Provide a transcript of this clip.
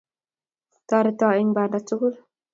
Toreta eng' banda tugul,